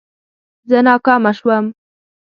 زه ناکامه شوم